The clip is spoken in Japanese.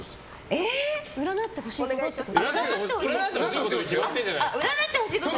占ってほしいこと？